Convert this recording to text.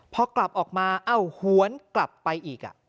พอกลับออกมาเอ้าหวนกลับไปอีก